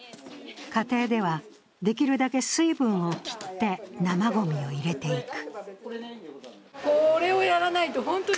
家庭では、できるだけ水分を切って生ごみを入れていく。